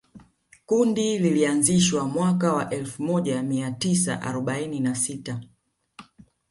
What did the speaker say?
Kundi lilianzishwa mwaka wa elfu moja mia tisa arobaini na sita